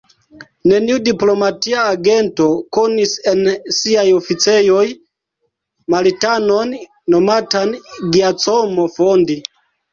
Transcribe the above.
Neniu diplomatia agento konis en siaj oficejoj Maltanon nomatan Giacomo Fondi.